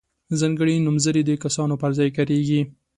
ځانګړي نومځري د کسانو پر ځای کاریږي.